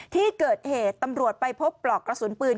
ที่เกิดเหตุตำรวจไปพบปลอกกระสุนปืน